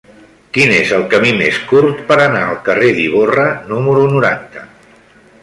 Quin és el camí més curt per anar al carrer d'Ivorra número noranta?